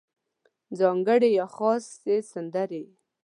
ځانګړې یا خاصې سندرې